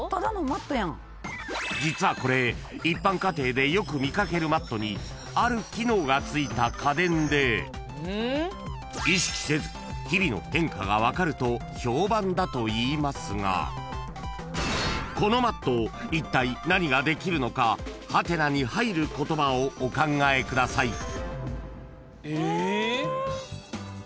［実はこれ一般家庭でよく見掛けるマットにある機能がついた家電で意識せず日々の変化が分かると評判だといいますがこのマットいったい何ができるのか？に入る言葉をお考えください］え？